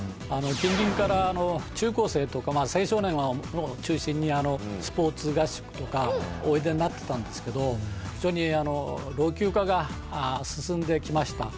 近隣から中高生とか青少年を中心にスポーツ合宿とかおいでになってたんですけど非常に老朽化が進んできました。